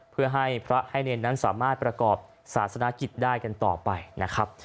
เพื่อให้พระให้เนรนั้นสามารถประกอบศาสนกิจได้กันต่อไปนะครับ